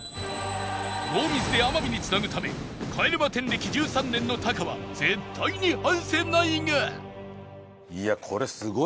ノーミスで天海に繋ぐため帰れま１０歴１３年のタカは絶対に外せないが